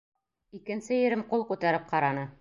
Икенсе ирем ҡул күтәреп ҡараны.